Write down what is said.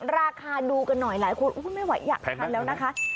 ราคาดูกันหน่อยหลายคนไม่ไหวอยากทานแล้วนะคะ